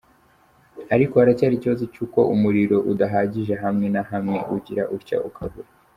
Ariko haracyari ikibazo cy’uko umuriro udahagije hamwe na hamwe ugira utya ukabura.